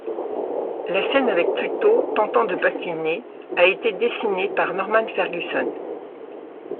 La scène avec Pluto tentant de patiner a été dessinée par Norman Ferguson.